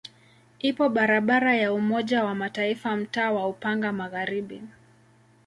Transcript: Ipo barabara ya Umoja wa Mataifa mtaa wa Upanga Magharibi.